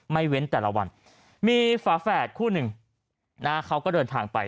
เว้นแต่ละวันมีฝาแฝดคู่หนึ่งนะเขาก็เดินทางไป